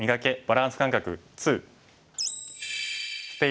バランス感覚２」。